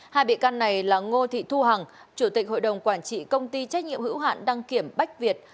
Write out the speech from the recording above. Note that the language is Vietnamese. hai bị can này là ngô thị thu hằng chủ tịch hội đồng quản trị công ty trách nhiệm hữu hạn đăng kiểm bách việt